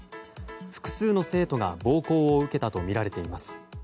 複数の生徒が暴行を受けたとみられています。